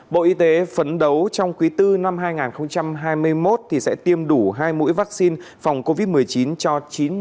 bộ y tế phấn đấu trong quý bốn năm hai nghìn hai mươi một sẽ tiêm đủ hai mũi vaccine phòng covid một mươi chín cho chín người